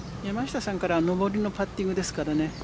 山下さんから上りのパッティングですからね。